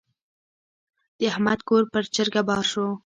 د احمد کور پر چرګه بار شو.